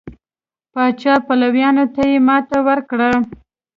پاچا پلویانو ته یې ماتې ورکړه.